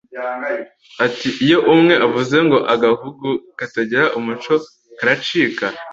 Ati “Iyo umwe avuze ngo ‘agahugu katagira umuco karacika’